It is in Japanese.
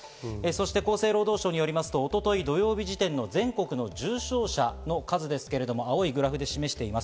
厚生労働省によりますと、一昨日土曜日時点の全国の重症者の数ですが、青いグラフで示しています。